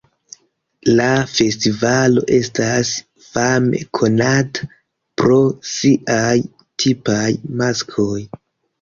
La festivalo estas fame konata pro siaj tipaj maskoj.